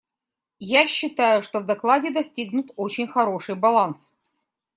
Я считаю, что в докладе достигнут очень хороший баланс.